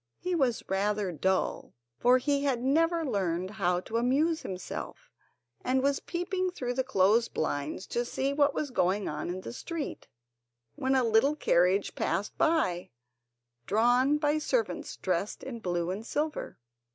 He was rather dull, for he had never learned how to amuse himself, and was peeping through the closed blinds to see what was going on in the street, when a little carriage passed by, drawn by servants dressed in blue and silver.